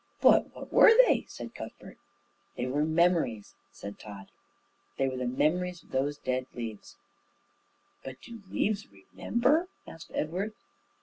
"But what were they?" said Cuthbert. "They were memories," said Tod. "They were the memories of those dead leaves." "But do leaves remember?" asked Edward.